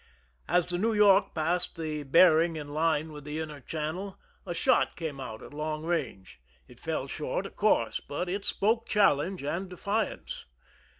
As the New York passed the bearing in line with the inner channel, a sliot came out at long range. It fell short, of course, but it spoke challenge and defiance.